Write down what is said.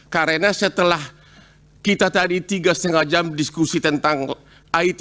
karena setelah kita tadi tiga setengah jam diskusi tentang it